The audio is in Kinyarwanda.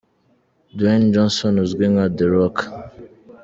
Dwayne Johnson uzwi nka The Rock.